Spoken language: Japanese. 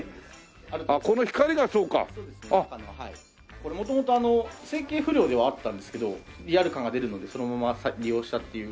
これ元々成型不良ではあったんですけどリアル感が出るのでそのまま利用したっていう。